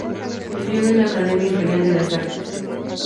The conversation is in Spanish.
Estudió en la Academia Imperial de las Artes.